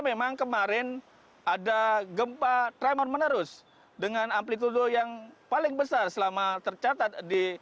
memang kemarin ada gempa tremon menerus dengan amplitude yang paling besar selama tercatat di